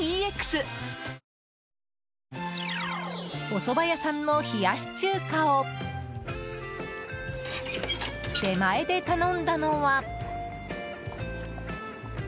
おそば屋さんの冷やし中華を出前で頼んだのは。